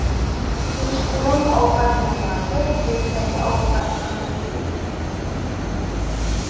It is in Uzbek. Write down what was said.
• Kechqurun ovqatlanayotib ertangi ovqat g‘amini ye.